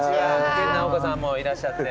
研ナオコさんもいらっしゃって。